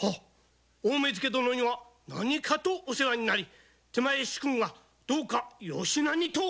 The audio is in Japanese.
大目付殿には何かとお世話になり手前主君がどうかよしなにと。